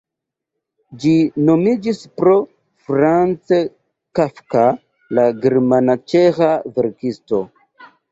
Ĝi nomiĝis pro Franz Kafka, la germana-ĉeĥa verkisto.